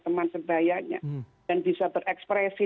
teman sebayanya dan bisa berekspresi